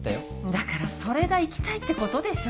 だからそれが「行きたい」ってことでしょ。